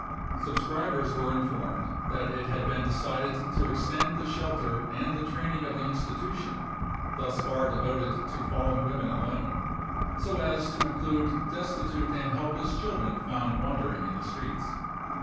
Subscribers were informed that it had been decided to extend the shelter and the training of the institution (thus far devoted to fallen women alone) so as to include destitute and helpless children found wandering in the streets.